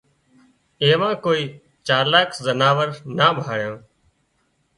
ايوون ڪوئي چالاڪ زناور نا ڀاۯيون